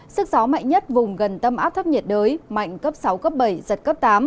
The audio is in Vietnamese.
sức gió mạnh nhất vùng gần tâm áp thấp nhiệt đới mạnh cấp sáu cấp bảy giật cấp tám